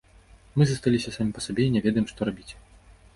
Мы засталіся самі па сабе і не ведаем што рабіць.